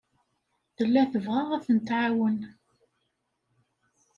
Tella tebɣa ad ten-tɛawen.